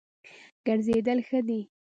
ګرځېدل ښه دی.